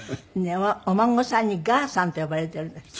お孫さんに「があさん」って呼ばれてるんですって？